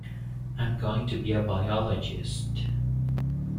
I'm going to be a biologist.